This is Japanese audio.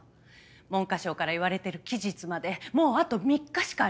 文科省から言われている期日までもうあと３日しかありません。